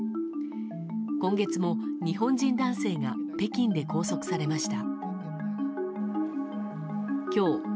今月も、日本人男性が北京で拘束されました。